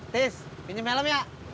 tis pinjem helm ya